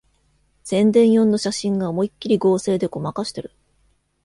宣伝用の写真が思いっきり合成でごまかしてる